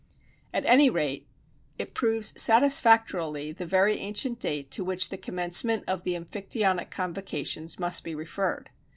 At any rate, it proves satisfactorily the very ancient date to which the commencement of the Amphictyonic convocations must be referred.